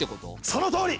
そのとおり！